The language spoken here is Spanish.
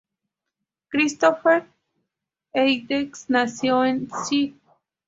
Christopher Hedges nació en St.